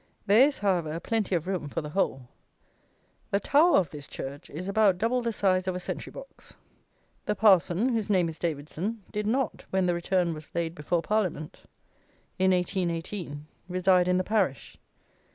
There is, however, plenty of room for the whole: the "tower" of this church is about double the size of a sentry box. The parson, whose name is Davidson, did not, when the Return was laid before Parliament, in 1818, reside in the parish.